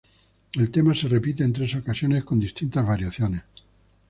El tema se repite en tres ocasiones con distintas variaciones.